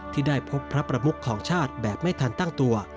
ที่ได้พบพระประมุขของชาติแบบไม่ทันตั้งตัว